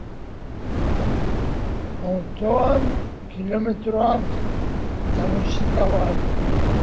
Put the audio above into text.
Autoan kilometroak eta musika, bai.